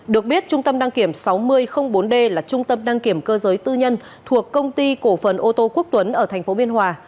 được biết trung tâm đăng kiểm sáu nghìn bốn d là trung tâm đăng kiểm cơ giới tư nhân thuộc công ty cổ phần ô tô quốc tuấn ở tp biên hòa